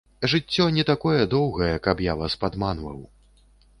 Жыццё не такое доўгае, каб я вас падманваў.